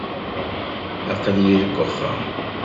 Aql-iyi deg uxxam.